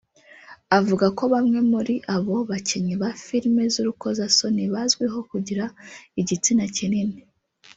avuga ko bamwe muri abo bakinnyi ba Filimi z’urukozasoni bazwiho kugira igitsina kinini